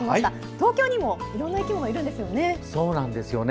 東京にもいろんな生き物がいるんですよね。